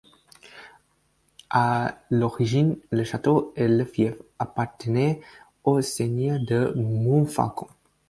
À l'origine, le château et le fief appartenaient aux seigneurs de Monfalcon.